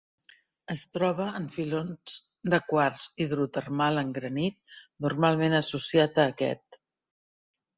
Es troba en filons de quars hidrotermal en granit, normalment associat a aquest.